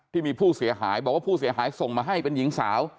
ที่มีผู้เสียหายบอกว่าผู้เสียหายส่งมาให้เป็นหญิงสาว